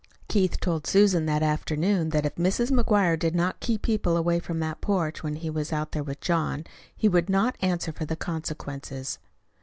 Keith told Susan that afternoon that if Mrs. McGuire did not keep people away from that porch when he was out there with John, he would not answer for the consequences.